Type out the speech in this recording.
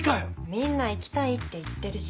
⁉みんな行きたいって言ってるし。